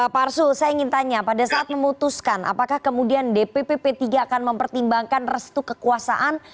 pak arsul saya ingin tanya pada saat memutuskan apakah kemudian dpp p tiga akan mempertimbangkan restu kekuasaan